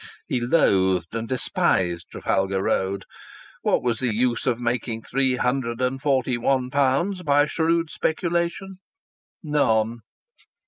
He loathed and despised Trafalgar Road. What was the use of making three hundred and forty one pounds by a shrewd speculation? None.